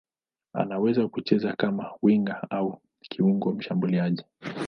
Anaweza kucheza kama winga au kiungo mshambuliaji.